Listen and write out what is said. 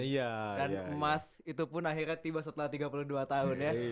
dan emas itu pun akhirnya tiba setelah tiga puluh dua tahun ya